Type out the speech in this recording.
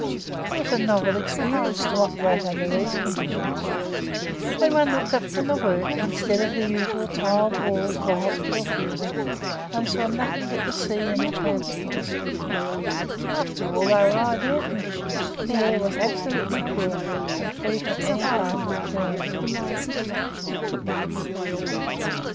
It was a novel experience to operate under these conditions. When one looked up from the work, instead of the usual tiled walls of a hospital theatre, one saw nothing but the sea and the transports. After all, they were ideal conditions; for the air was absolutely pure and free from any kind of germ.